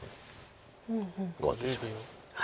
終わってしまいます。